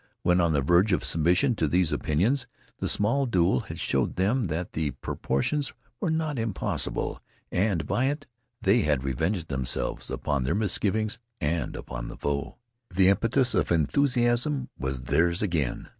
When on the verge of submission to these opinions, the small duel had showed them that the proportions were not impossible, and by it they had revenged themselves upon their misgivings and upon the foe. The impetus of enthusiasm was theirs again.